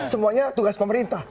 semuanya tugas pemerintah